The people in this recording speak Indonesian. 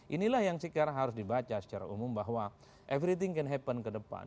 inilah yang sekarang harus dibaca secara umum bahwa everything can happen ke depan